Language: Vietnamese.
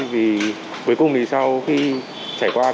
vì cuối cùng thì sau khi chảy qua trường